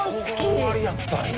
「ここが終わりやったんや」